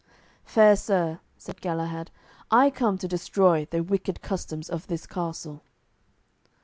"Fair sir," said Galahad, "I come to destroy the wicked customs of this castle."